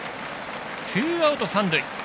ツーアウト、三塁。